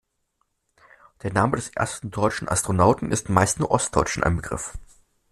Der Name des ersten deutschen Astronauten ist meist nur Ostdeutschen ein Begriff.